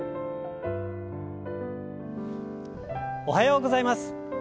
おはようございます。